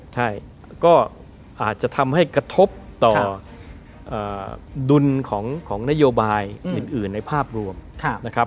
ใช่ก็อาจจะทำให้กระทบต่อดุลของนโยบายอื่นในภาพรวมนะครับ